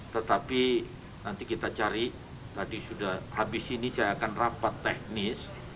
tetapi nanti kita cari tadi sudah habis ini saya akan rapat teknis